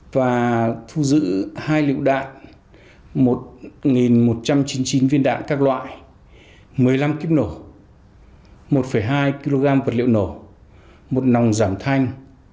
và thu giữ hai lựu đạn một một trăm chín mươi chín viên đạn các loại một mươi năm kíp nổ một hai kg vật liệu nổ một nòng giảm thanh